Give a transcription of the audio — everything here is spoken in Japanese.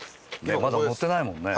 まだ乗ってないもんね。